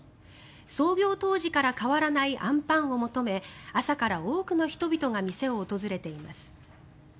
創業当時から変わらないあんパンを求め朝から多くの人々が店を訪れています。